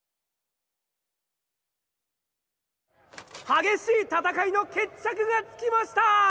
激しい戦いの決着がつきました！